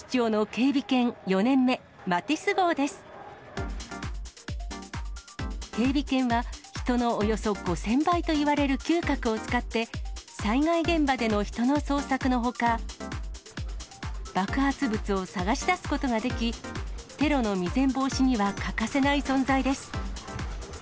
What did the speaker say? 警備犬は人のおよそ５０００倍といわれる嗅覚を使って、災害現場での人の捜索のほか、爆発物を探し出すことができ、テロの未然防止には欠かせない存在です。